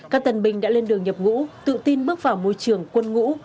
các tân binh đã lên đường nhập ngũ tự tin bước vào môi trường quân ngũ